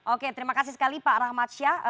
oke terima kasih sekali pak rahmat syah